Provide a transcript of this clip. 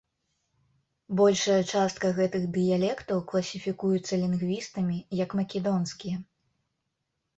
Большая частка гэтых дыялектаў класіфікуюцца лінгвістамі як македонскія.